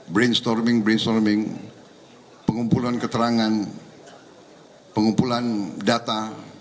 brainstorming brainstorming pengumpulan keterangan pengumpulan data